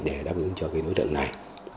để đáp ứng cho cái đối tượng này